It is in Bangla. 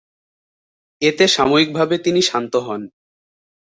এতে সাময়িকভাবে তিনি শান্ত হন।